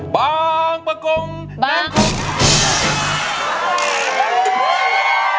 บางปะกรุงบางปะกรุง